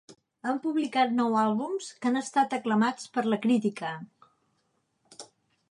Han publicat nou àlbums que han estat aclamats per la crítica.